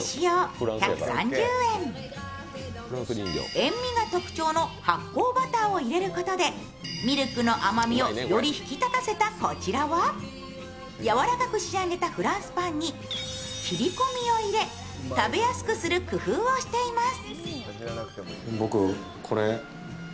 塩みが特徴の発酵バターを入れることで、ミルクの甘みをより引き立たせたこちらは柔らかく仕上げたフランスパンに切り込みを入れ食べやすくする工夫をしています。